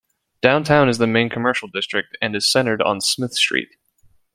Downtown is the main commercial district and is centered on Smith Street.